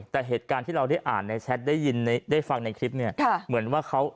แต่เหตุการณ์ที่เราได้อ่านในแชทได้ยินได้ฟังในคลิปเนี่ยเหมือนว่าเขา